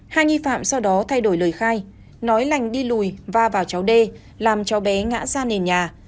hai nghi phạm sau đó thay đổi lời khai nói lành đi lùi va vào cháu đê làm cháu bé ngã ra nền nhà